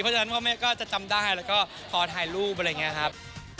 เพราะฉะนั้นพ่อแม่ก็จะจำได้แล้วก็พอถ่ายรูปอะไรอย่างนี้ครับ